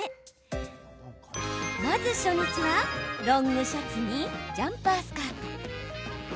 まず初日は、ロングシャツにジャンパースカート。